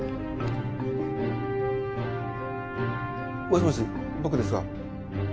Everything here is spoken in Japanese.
もしもし僕ですが。